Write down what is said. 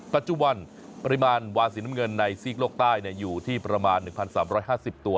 ปัจจุบันปริมาณวานสีน้ำเงินในซีกโลกใต้อยู่ที่ประมาณ๑๓๕๐ตัว